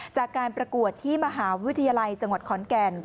จากการประกวดที่มหาวิทยาลัยจังหวัดขอนแก่น